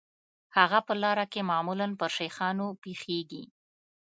هغه په لاره کې معمولاً پر شیخانو پیښیږي.